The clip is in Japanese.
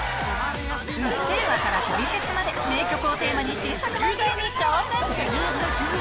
うっせぇわからトリセツまで、名曲をテーマに新作漫才に挑戦。